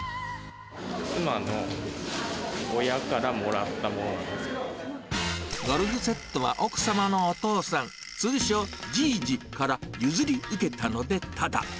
妻の親からもらったものなんゴルフセットは、奥様のお父さん、通称、じいじから譲り受けたので、ただ。